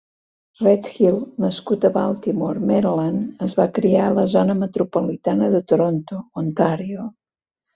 Redhill, nascut a Baltimore, Maryland, es va criar a la zona metropolitana de Toronto, Ontario.